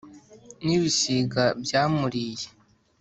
N’ ibisiga byamuriye